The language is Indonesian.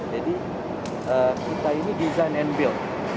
jadi kita ini design and build